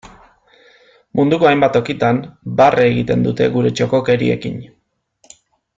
Munduko hainbat tokitan, barre egiten dute gure txokokeriekin.